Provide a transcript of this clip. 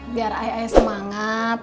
biar ayah ayah semangat